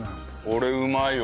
これうまいわ。